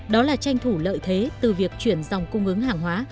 đó là tranh thủ lợi thế từ việc chuyển dòng cung ứng hàng hóa